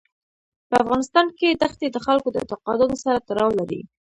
په افغانستان کې دښتې د خلکو د اعتقاداتو سره تړاو لري.